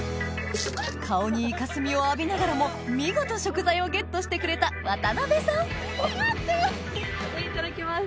顔にイカ墨を浴びながらも見事食材をゲットしてくれた渡部さんいただきます。